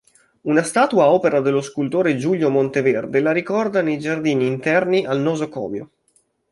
Una statua opera della scultore Giulio Monteverde la ricorda nei giardini interni al nosocomio.